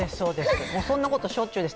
そんなことしょっちゅうです。